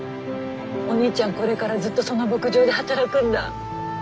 これからずっとその牧場で働くんだ。